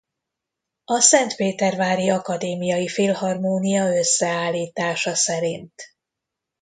A Szentpétervári Akadémiai Filharmónia összeállítása szerint.